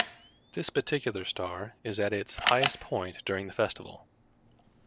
This particular star is at its highest point during the festival.